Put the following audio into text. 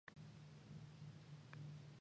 十日町駅